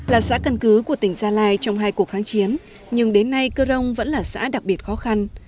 là xã căn cứ của tỉnh gia lai trong hai cuộc kháng chiến nhưng đến nay cơ rông vẫn là xã đặc biệt khó khăn